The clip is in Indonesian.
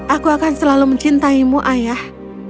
aku akan selalu mencintaimu ayah